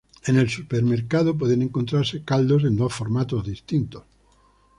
En el supermercado pueden encontrarse caldos en dos formatos distintos.